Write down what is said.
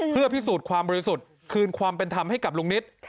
เพื่อพิสูจน์ความบริสุทธิ์คืนความเป็นธรรมให้กับลุงนิต